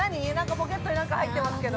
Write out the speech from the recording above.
ポケットに何か入ってますけど。